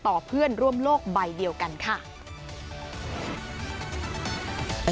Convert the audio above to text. เพื่อนร่วมโลกใบเดียวกันค่ะ